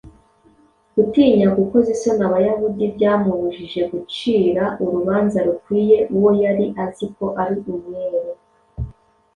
Gutinya gukoza isoni Abayahudi byamubujije gucira urubanza rukwiye uwo yari azi ko ari umwere.